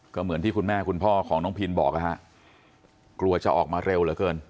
ก็เหมือนที่คุณแม่คุณพ่อของน้องพินบอกนะฮะกลัวจะออกมาเร็วเหลือเกิน